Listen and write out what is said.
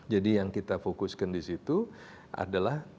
jadi yang kita fokuskan di situ adalah